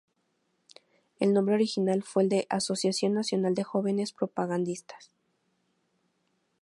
El nombre original fue el de Asociación Nacional de Jóvenes Propagandistas.